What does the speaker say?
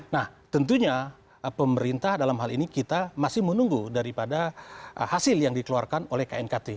nah tentunya pemerintah dalam hal ini kita masih menunggu daripada hasil yang dikeluarkan oleh knkt